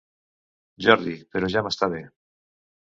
Jordi', però ja m'està bé.